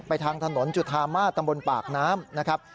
ทางถนนจุธามาศตำบลปากน้ำนะครับ